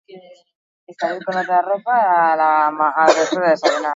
Gaixotasun sukartsua da, eta normalean animalien txizaren eraginez kutsatzen dira gizakiak.